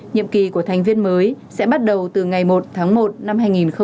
nhiệm kỳ của thành viên mới sẽ bắt đầu từ ngày một tháng một năm hai nghìn hai mươi